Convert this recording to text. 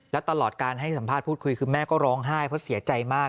และตลอดการให้สัมภาษณ์พูดคุยคือแม่ก็ร้องไห้เพราะเสียใจมาก